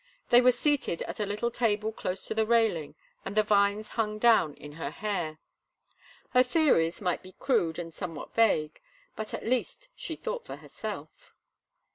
They were seated at a little table close to the railing and the vines hung down in her hair. Her theories might be crude and somewhat vague, but at least she thought for herself.